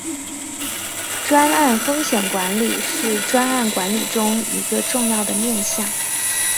专案风险管理是专案管理中一个重要的面向。